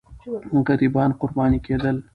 غریبان قرباني کېدل.